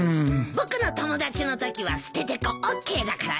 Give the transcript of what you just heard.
僕の友達のときはステテコＯＫだからね。